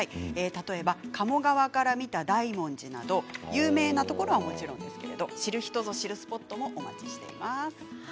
例えば鴨川から見た大文字など有名なところはもちろんですけれど知る人ぞ知るスポットもお待ちしています。